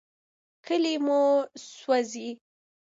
کلي مو سوځي.